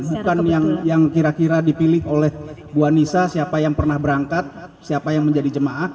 bukan yang kira kira dipilih oleh bu anissa siapa yang pernah berangkat siapa yang menjadi jemaah